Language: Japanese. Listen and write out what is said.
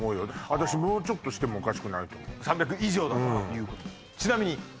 私もうちょっとしてもおかしくないと思う３００以上だということでちなみに？